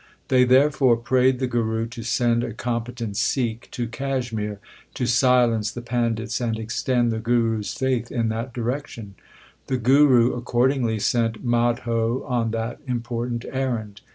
They therefore prayed the Guru to send a competent Sikh to Kashmir to silence the pandits LIFE OF GURU ARJAN 67 and extend the Guru s faith in that direction. The Guru accordingly sent Madho on that important errand.